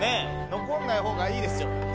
残んないほうがいいですよ。